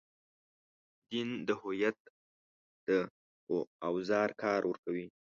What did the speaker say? دین د هویت د اوزار کار ورکوي.